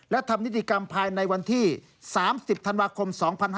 และทำนิติกรรมภายในวันที่๓๐ธันวาคม๒๕๕๙